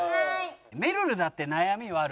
「めるるだって悩みはある」